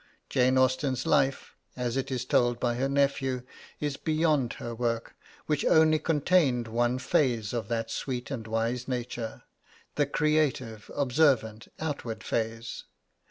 Jane Austen's life, as it is told by her nephew, is beyond her work, which only contained one phase of that sweet and wise nature the creative, observant, outward phase.